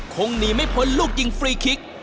คงหนีไม่พ้นลูกยิงฟรีคิก